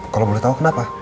kalau boleh tahu kenapa